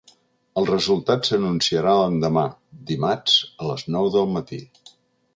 El resultat s’anunciarà l’endemà, dimarts, a les nou del matí.